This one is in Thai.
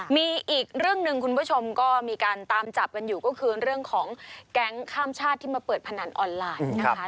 มีอีกเรื่องหนึ่งคุณผู้ชมก็มีการตามจับกันอยู่ก็คือเรื่องของแก๊งข้ามชาติที่มาเปิดพนันออนไลน์นะคะ